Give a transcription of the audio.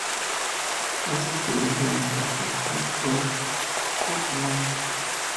Es destruido durante el ataque a Cloud Cuckoo Land.